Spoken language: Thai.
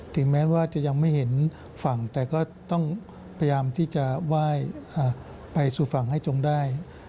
แม้ว่าจะยังไม่เห็นฝั่งแต่ก็ต้องพยายามที่จะไหว้ไปสู่ฝั่งให้จงได้